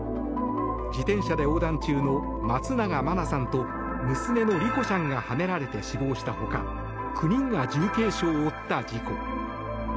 自転車で横断中の松永真菜さんと娘の莉子ちゃんがはねられて死亡した他９人が重軽傷を負った事故。